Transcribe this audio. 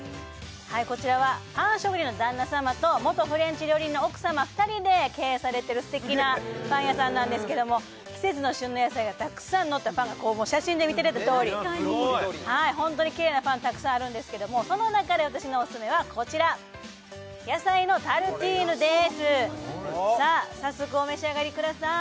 こちらはパン職人の旦那さまと元フレンチ料理人の奥さま２人で経営されてる素敵なパン屋さんなんですけども季節の旬の野菜がたくさんのったパンが写真で見ていただいたとおりホントにキレイなパンたくさんあるんですけどもその中で私のオススメはこちらさあ早速お召し上がりください